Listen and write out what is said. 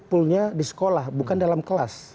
poolnya di sekolah bukan dalam kelas